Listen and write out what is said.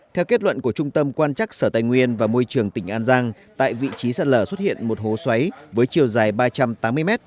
theo kết luận của trung tâm quan chắc sở tài nguyên và môi trường tỉnh an giang tại vị trí sạt lở xuất hiện một hố xoáy với chiều dài ba trăm tám mươi m